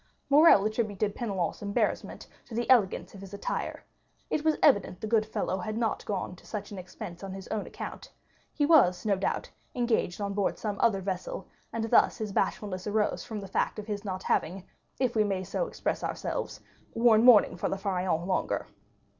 Morrel attributed Penelon's embarrassment to the elegance of his attire; it was evident the good fellow had not gone to such an expense on his own account; he was, no doubt, engaged on board some other vessel, and thus his bashfulness arose from the fact of his not having, if we may so express ourselves, worn mourning for the Pharaon longer.